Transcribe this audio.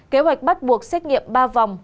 kế hoạch bắt buộc xét nghiệm ba vòng